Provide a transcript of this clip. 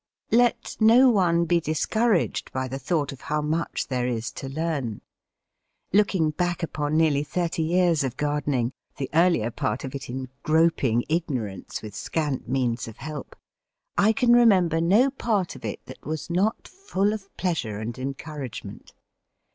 Let no one be discouraged by the thought of how much there is to learn. Looking back upon nearly thirty years of gardening (the earlier part of it in groping ignorance with scant means of help), I can remember no part of it that was not full of pleasure and encouragement.